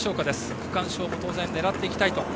区間賞も当然狙っていきたい。